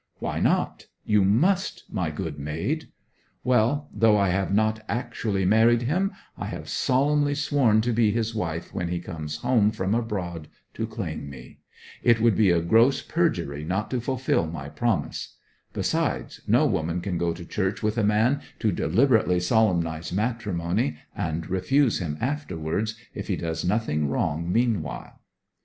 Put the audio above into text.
'Why not? You must, my good maid!' 'Well, though I have not actually married him, I have solemnly sworn to be his wife when he comes home from abroad to claim me. It would be gross perjury not to fulfil my promise. Besides, no woman can go to church with a man to deliberately solemnize matrimony, and refuse him afterwards, if he does nothing wrong meanwhile.'